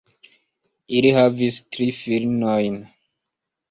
Ili havis tri filinojn.